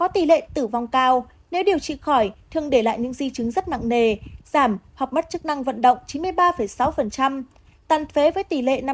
tỷ lệ tử vong cao nếu điều trị khỏi thương để lại những di chứng rất nặng nề giảm hoặc mất chức năng vận động chín mươi ba sáu tàn phế với tỷ lệ năm mươi